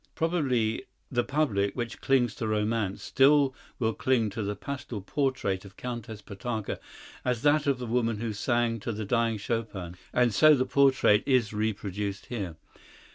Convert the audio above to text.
Probably the public, which clings to romance, still will cling to the pastel portrait of Countess Potocka as that of the woman who sang to the dying Chopin—and so the portrait is reproduced here.